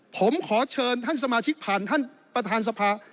ผมขอเชิญท่านสมาชิกผ่านท่านประธานสภา